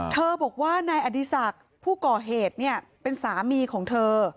เธอบอกว่านายอดีศักดิ์ผู้ก่อเหตุเป็นสามีของเธอ